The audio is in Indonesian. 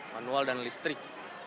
manual dan listrik